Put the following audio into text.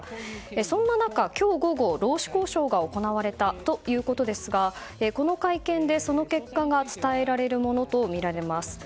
そんな中、今日午後労使交渉が行われたということですがこの会見で、その結果が伝えられるものとみられます。